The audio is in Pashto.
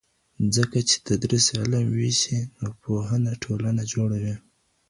ځکه چې تدریس علم وېشي نو پوهنه ټولنه جوړوي.